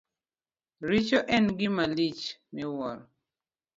Richo en gima lich miwuoro.